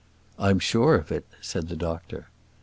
"I'm sure of it," said the doctor.